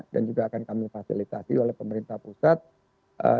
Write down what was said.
dan juga akan kami fasilitasi oleh pemerintah luar negara